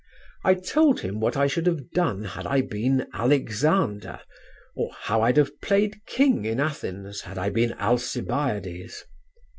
I told him what I should have done had I been Alexander, or how I'd have played king in Athens, had I been Alcibiades.